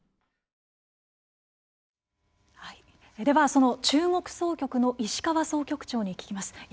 では、その中国総局の石川総局長に聞きます。